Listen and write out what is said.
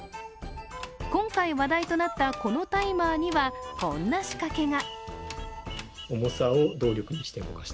今回、話題となったこのタイマーにはこんな仕掛けが。